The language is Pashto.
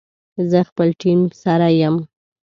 زه خپل ټیم سره یم